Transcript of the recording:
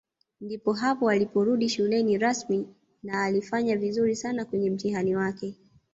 Ndipo hapo aliporudi shuleni rasmi na alifanya vizuri sana kwenye mtihani wake